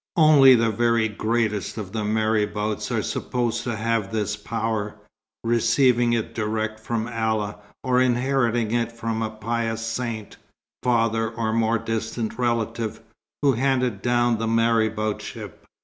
Only the very greatest of the marabouts are supposed to have this power, receiving it direct from Allah, or inheriting it from a pious saint father or more distant relative who handed down the maraboutship.